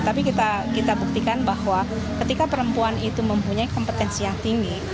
tapi kita buktikan bahwa ketika perempuan itu mempunyai kompetensi yang tinggi